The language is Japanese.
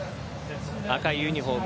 赤いユニホーム